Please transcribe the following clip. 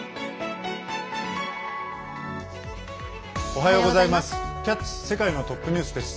おはようございます。